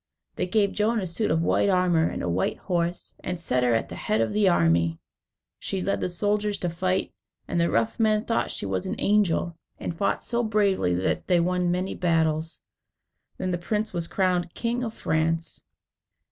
They gave Joan a suit of white armour, and a white horse, and set her at the head of the army. She led the soldiers to fight, and the rough men thought she was an angel, and fought so bravely that they won many battles. Then the prince was crowned King of France.